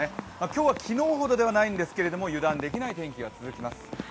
今日は昨日ほどはではないんですけれども、油断できない天気が続きます。